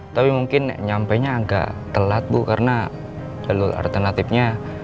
sampai jumpa di video selanjutnya